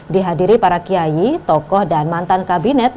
dihadiri para kiai tokoh dan mantan kabinet